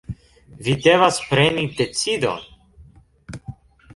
Vi devas preni decidon.